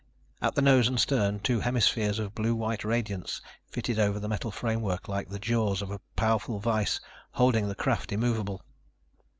At the nose and stern, two hemispheres of blue white radiance fitted over the metal framework, like the jaws of a powerful vise, holding the craft immovable.